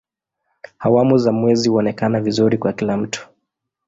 Awamu za mwezi huonekana vizuri kwa kila mtu.